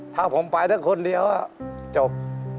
ถ้าผมไปแต่คนเดียวคือจบ